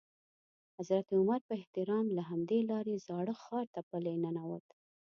حضرت عمر په احترام له همدې لارې زاړه ښار ته پلی ننوت.